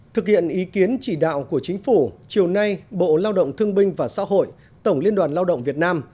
thực hiện ý kiến chỉ đạo của chính phủ chiều nay bộ lao động thương binh và xã hội tổng liên đoàn lao động việt nam